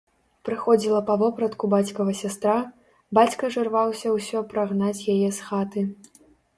Прыходзіла па вопратку бацькава сястра, бацька ж ірваўся ўсё прагнаць яе з хаты.